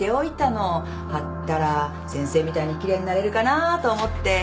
はったら先生みたいに奇麗になれるかなぁと思って。